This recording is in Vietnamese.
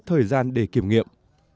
thời gian để kiểm nghiệm